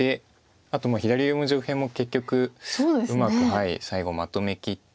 あと左上も上辺も結局うまく最後まとめきって。